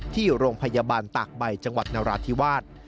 ที่โรงพยาบาลตากใบจังหวัดนราธิวาส